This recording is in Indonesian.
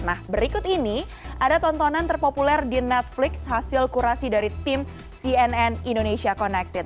nah berikut ini ada tontonan terpopuler di netflix hasil kurasi dari tim cnn indonesia connected